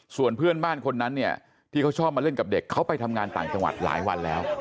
ส่วนเพื่อนบ้านคนนั้นเนี่ยที่เขาชอบมาเล่นกับเด็กเขาไปทำงานต่างจังหวัดหลายวันแล้ว